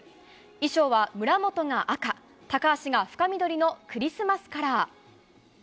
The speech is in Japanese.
衣装は村元が赤、高橋が深緑のクリスマスカラー。